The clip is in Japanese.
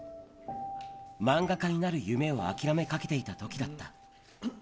漫画家になる夢を諦めかけていたときだった。